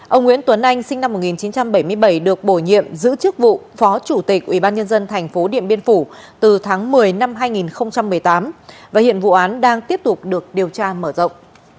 ông nguyễn tuấn anh sinh năm một nghìn chín trăm bảy mươi bảy được bổ nhiệm giữ chức vụ phó chủ tịch ubnd tp điện biên phủ từ tháng một mươi năm hai nghìn một mươi tám và hiện vụ án đang tiếp tục được điều tra mở rộng